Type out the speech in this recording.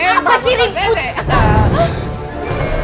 apaan sih ini